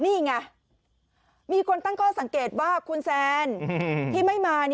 นี่ไงมีคนตั้งข้อสังเกตว่าคุณแซนที่ไม่มา